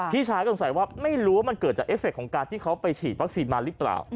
พี่ชายก็สงสัยว่าไม่รู้ว่ามันเกิดจากเอฟเฟคของการที่เขาไปฉีดวัคซีนมาหรือเปล่า